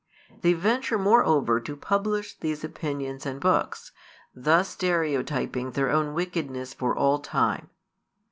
They venture moreover to publish these opinions in books, thus stereotyping their own wickedness for all time.